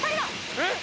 えっ？